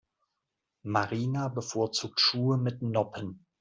Marina bevorzugt Schuhe mit Noppen.